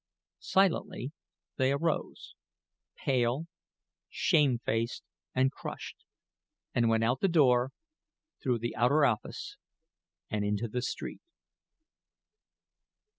Silently they arose, pale, shamefaced, and crushed, and went out the door, through the outer office, and into the street.